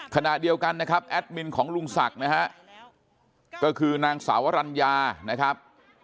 ขณะเดียวกันนะครับแอดมินของลุงศักดิ์นะฮะก็คือนางสาวรัญญานะครับ